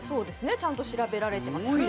ちゃんと調べられています。